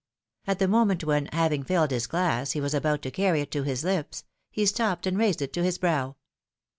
At the moment when, having filled his glass, he was about to carry it to his lips, he stopped and raised it to his brow.